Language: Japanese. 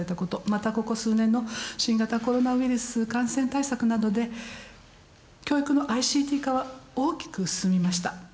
またここ数年の新型コロナウイルス感染対策などで教育のＩＣＴ化は大きく進みました。